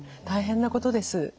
大変なことです。